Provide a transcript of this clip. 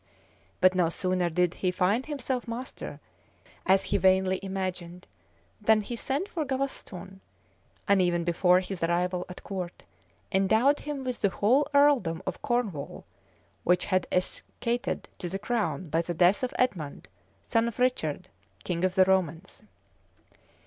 But no sooner did he find himself master, as he vainly imagined, than he sent for Gavaston; and even before his arrival at court, endowed him with the whole earldom of Cornwall, which had escheated to the crown by the death of Edmond, son of Richard, king of the Romans.